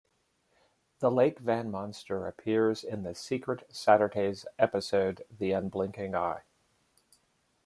The Lake Van Monster appears in "The Secret Saturdays" episode "The Unblinking Eye.